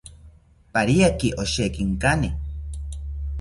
Pariaki osheki inkani